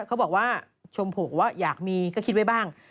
เขาบอกว่าชมผูกว่าอยากมีก็คิดไว้บ้าง